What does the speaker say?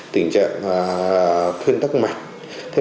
tình trạng khuyên tắc mạch